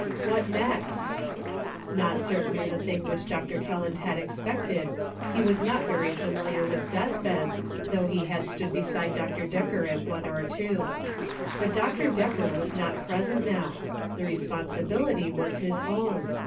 What next ? 3l8 A NIGHT FOR DECISIONS. Not certainly the thing which Dr. Kelland had expected ; he was not very familiar with death beds, though he had stood beside Dr. Decker at one or two. But Dr. Decker was not present now ; the responsibility was his own.